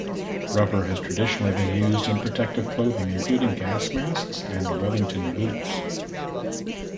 Rubber has traditionally been used in protective clothing, including gas masks and Wellington boots.